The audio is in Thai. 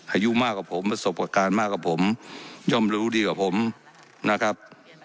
อายุมากกว่าผมประสบการณ์มากกว่าผมย่อมรู้ดีกว่าผมนะครับ